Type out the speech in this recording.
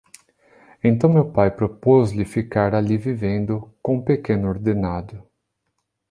Então meu pai propôs-lhe ficar ali vivendo, com pequeno ordenado.